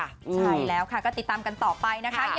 ใช่แล้วค่ะก็ติดตามกันต่อไปนะคะ